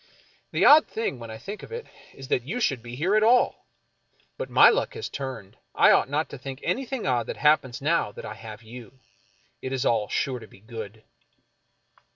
The odd thing, when I think of it, is that you should be here at all. But my luck has turned. I ought not to think anything odd that happens now that I have you. It is all sure to be good."